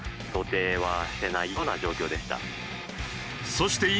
そして今